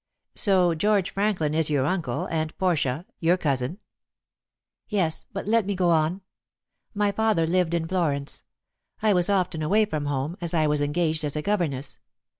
"So George Franklin is your uncle and Portia your cousin?" "Yes; but let me go on. My father lived in Florence. I was often away from home, as I was engaged as a governess.